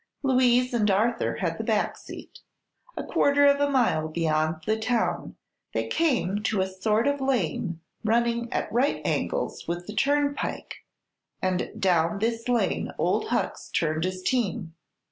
Louise and Arthur had the back seat. A quarter of a mile beyond the town they came to a sort of lane running at right angles with the turnpike, and down this lane old Hucks turned his team.